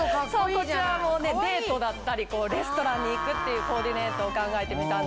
こちらはデートだったりレストランに行くっていうコーディネートを考えてみたんですけど。